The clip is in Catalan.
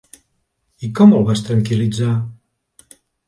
I com el vas tranquil·litzar?